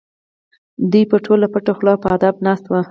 دوی به ټول پټه خوله او په ادب ناست وو.